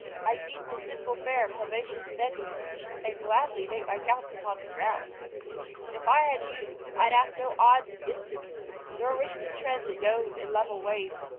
I'd eat the simple fare privations fed me, And gladly make my couch upon the ground. If I had youth I'd ask no odds of distance, Nor wish to tread the known and level ways.